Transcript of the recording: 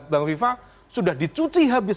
bang viva sudah dicuci habis